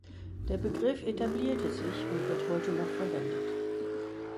Der Begriff etablierte sich und wird heute noch verwendet.